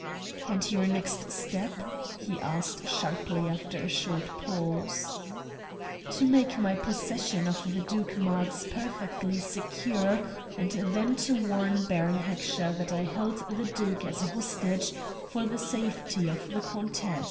"And your next step?" he asked sharply after a short pause. "To make my possession of the Duke Marx perfectly secure, and then to warn Baron Heckscher that I held the duke as a hostage for the safety of the countess."